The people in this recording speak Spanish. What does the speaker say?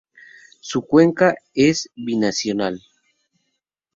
Su cuenca es binacional.